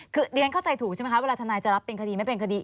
คือเรียนเข้าใจถูกใช่ไหมคะเวลาทนายจะรับเป็นคดีไม่เป็นคดี